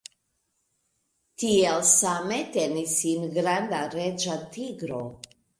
Tiel same tenis sin granda reĝa tigro.